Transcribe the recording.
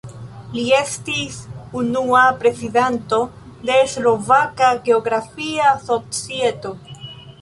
Li estis unua prezidanto de Slovaka geografia societo.